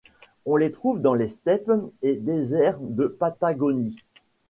On le trouve dans les steppes et déserts de Patagonie.